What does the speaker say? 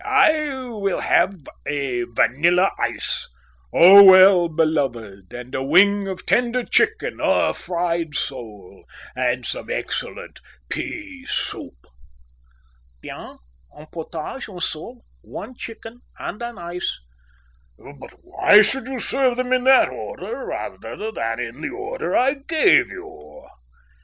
"I will have a vanilla ice, O well beloved, and a wing of a tender chicken, a fried sole, and some excellent pea soup." "Bien, un potage, une sole, one chicken, and an ice." "But why should you serve them in that order rather than in the order I gave you?"